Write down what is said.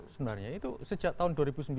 sebenarnya itu sejak tahun dua ribu sembilan